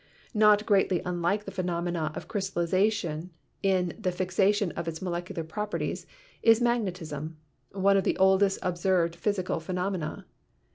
Not greatly unlike the phenomenon of crystallization in the fixation of its molecular particles is magnetism, one of the oldest observed physical phenomena.